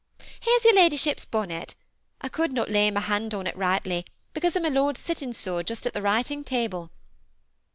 Here's your ladyship's bonnet I could not lay my hand on it rightly, because of my lord's sitting so just at the writing table."